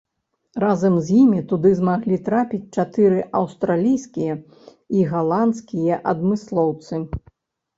Разам з імі туды змаглі трапіць чатыры аўстралійскія і галандскія адмыслоўцы.